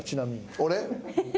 俺？